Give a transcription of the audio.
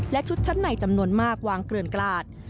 และชุดชั้นในจำนวนมากวางเกลือนกลาด